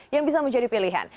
yang bisa menjadi pilihan